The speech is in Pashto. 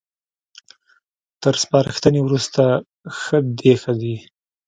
تر سپارښتنې وروسته ښه ديښه دي